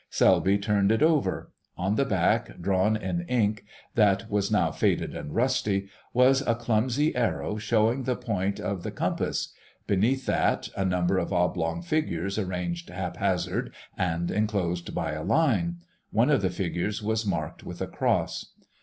Selby turned it over: on the back, drawn in ink that was now faded and rusty, was a clumsy arrow showing the points of the compass; beneath that a number of oblong figures arranged haphazard and enclosed by a line. One of the figures was marked with a cross.